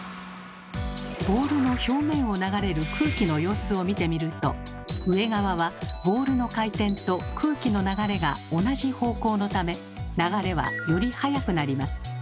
ボールの表面を流れる空気の様子を見てみると上側は「ボールの回転」と「空気の流れ」が同じ方向のため流れはより速くなります。